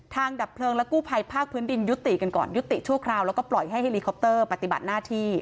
ดับเพลิงและกู้ภัยภาคพื้นดินยุติกันก่อนยุติชั่วคราวแล้วก็ปล่อยให้เฮลีคอปเตอร์ปฏิบัติหน้าที่